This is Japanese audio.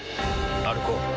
歩こう。